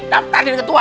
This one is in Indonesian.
nantar deh ketua